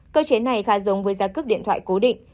cơ chế này khá giống với giá cước điện thoại cố định